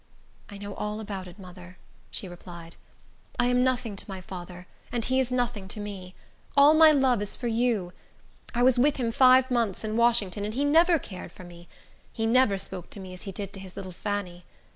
"I know all about it, mother," she replied; "I am nothing to my father, and he is nothing to me. All my love is for you. I was with him five months in Washington, and he never cared for me. He never spoke to me as he did to his little Fanny.